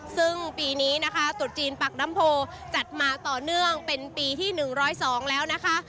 ซึ่งปีนี้นะคะตุดจีนปากน้ำโพจัดมาต่อเนื่องเป็นปีที่๑๐๒แล้วนะคะ